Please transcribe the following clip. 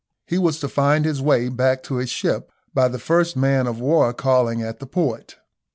He was to find his way back to his ship by the first man of war calling at the port.